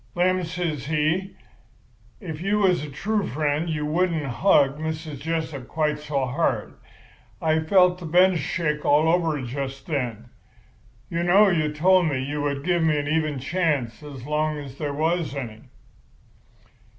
"'Lem,' says he, 'if you was a true friend you wouldn't hug Mrs. Jessup quite so hard. I felt the bench shake all over just then. You know you told me you would give me an even chance as long as there was any.